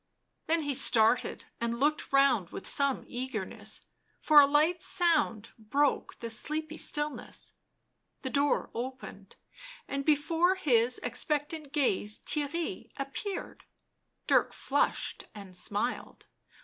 Then he started and looked round with some eagerness, for a light sound broke the sleepy stillness, the door opened, and before his expec tant gaze Theirry appeared. Dirk flushed and smiled.